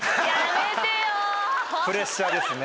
プレッシャーですね。